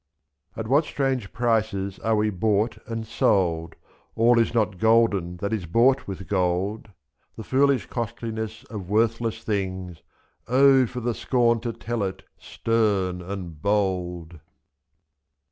81 At what strange prices are we bought and sold. All is not golden that is bought with gold, I IS The foolish costliness of worthless things — for the scorn to tell it, stern and bold